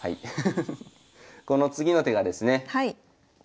この次の手がですね